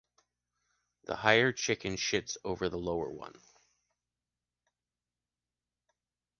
The higher chicken shits over the lower one.